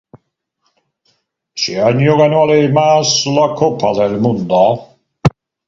Ese año ganó además la Copa del Mundo.